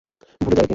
ভুলে যা একে।